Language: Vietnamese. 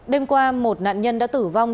đêm qua một nạn nhân đã tử vong